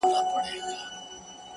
د تيارو اجاره دار محتسب راغى،